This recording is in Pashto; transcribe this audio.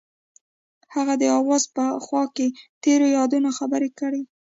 هغوی د اواز په خوا کې تیرو یادونو خبرې کړې.